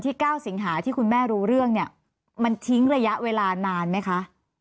พี่จะไม่บอกว่าวันที่เท่าไหร่ค่ะ